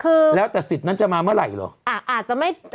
คือแล้วแต่สิทธิ์นั้นจะมาเมื่อไหร่เหรอ